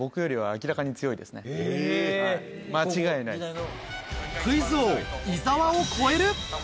間違いないです。